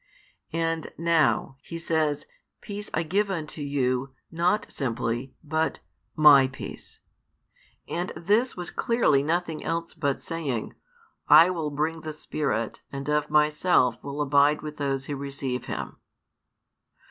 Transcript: And now, He says, Peace I give unto you, not simply, but My peace. And this was clearly nothing else but saying: I will bring the Spirit, and of Myself will abide with those who receive Him.